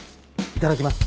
いただきます。